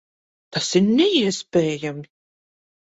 Tas ir neiespējami!